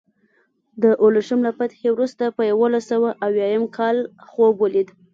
د اورشلیم له فتحې وروسته په یوولس سوه اویا اووم کال خوب ولید.